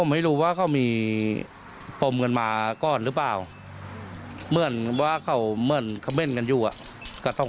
ไม่รู้ใครเริ่มก้อน